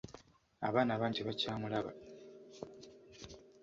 Abaana bangi tabakyamulaba.